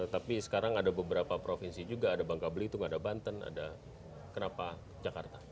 tapi sekarang ada beberapa provinsi juga ada bangka belitung ada banten ada kenapa jakarta